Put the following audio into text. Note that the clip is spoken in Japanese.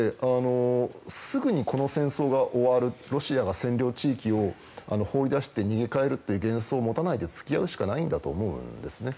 すぐにこの戦争が終わるロシアが占領地域を放り出して逃げかえるという幻想を持たないで付き合うしかないんだと思うんですね。